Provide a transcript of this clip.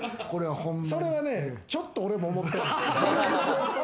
それはちょっと俺も思ってる。